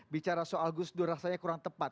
bicara soal gus dur rasanya kurang tepat